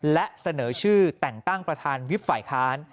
และเสนอชื่อแต่งตั้งประธานวิบฝ่ายค้าน